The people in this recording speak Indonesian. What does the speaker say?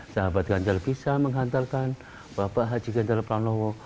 sahabat ganjar bisa menghantarkan bapak haji ganjar pranowo